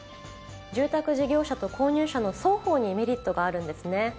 住宅事業者と購入者の双方にメリットがあるんですね。